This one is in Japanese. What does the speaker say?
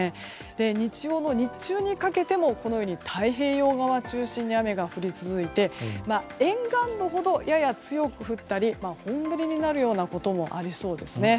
日曜の日中にかけても太平洋側中心に雨が降り続いて、沿岸部ほどやや強く降ったり本降りになるようなこともありそうですね。